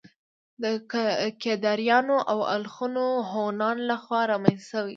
د کيداريانو او الخون هونانو له خوا رامنځته شوي وو